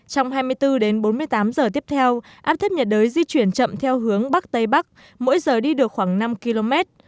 trong hai mươi bốn đến bốn mươi tám giờ tiếp theo áp thấp nhiệt đới di chuyển chậm theo hướng bắc tây bắc mỗi giờ đi được khoảng năm km